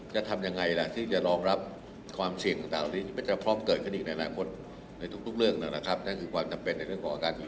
จะทำยังไงล่ะที่จะรองรับความเสี่ยงของตัวตัวนี้